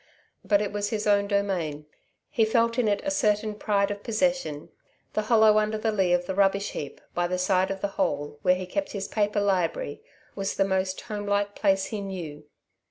But it was his own domain. He felt in it a certain pride of possession. The hollow under the lee of the rubbish heap, by the side of the hole where he kept his paper library, was the most homelike place he knew.